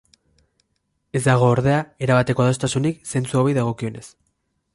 Ez dago, ordea, erabateko adostasunik zentzu hauei dagokienez.